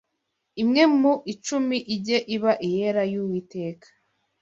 imwe mu icumi ijye iba iyera y’Uwiteka